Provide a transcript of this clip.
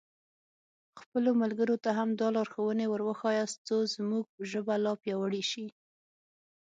خپلو ملګرو ته هم دا لارښوونې ور وښیاست څو زموږ ژبه لا پیاوړې شي.